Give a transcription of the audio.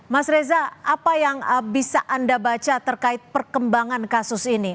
mas reza apa yang bisa anda baca terkait perkembangan kasus ini